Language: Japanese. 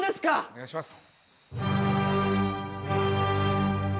お願いします。